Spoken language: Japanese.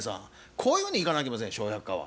こういうふうにいかなあきません「笑百科」は。